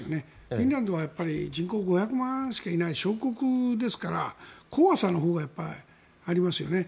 フィンランドは人口５００万人しかいない小国ですから怖さのほうがやっぱりありますよね。